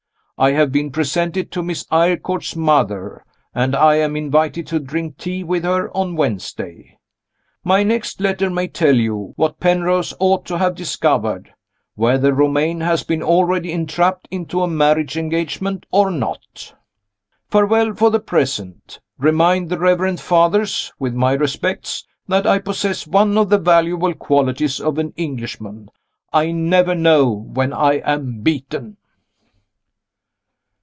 I have been presented to Miss Eyrecourt's mother, and I am invited to drink tea with her on Wednesday. My next letter may tell you what Penrose ought to have discovered whether Romayne has been already entrapped into a marriage engagement or not. Farewell for the present. Remind the Reverend Fathers, with my respects, that I possess one of the valuable qualities of an Englishman I never know when I am beaten.